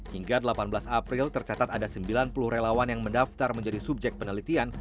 hingga delapan belas april tercatat ada sembilan puluh relawan yang mendaftar menjadi subjek penelitian